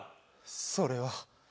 それは。